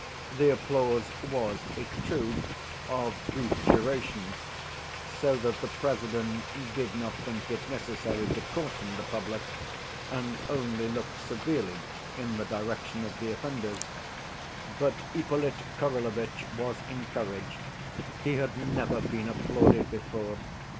The applause was, it's true, of brief duration, so that the President did not think it necessary to caution the public, and only looked severely in the direction of the offenders. But Ippolit Kirillovitch was encouraged; he had never been applauded before!